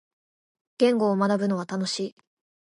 言語を学ぶのは楽しい。